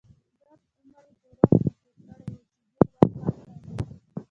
ګرد عمر يې په روم کې تېر کړی وو، چې ډېر وخت هلته و.